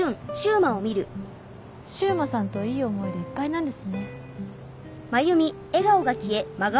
柊磨さんといい思い出いっぱいなんですね。